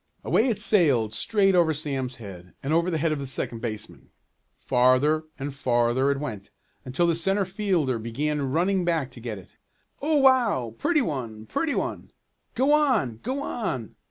Away it sailed straight over Sam's head and over the head of the second baseman. Farther and farther it went, until the centre fielder began running back to get it. "Oh, wow! Pretty one! Pretty one!" "Go on! Go on!"